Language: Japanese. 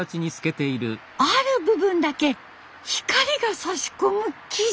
ある部分だけ光がさし込む生地。